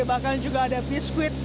bahkan juga ada biskuit